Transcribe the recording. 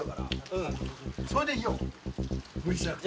うんそれでいいよ無理しなくて。